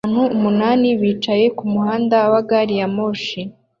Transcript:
Abantu umunani bicaye kumuhanda wa gari ya moshi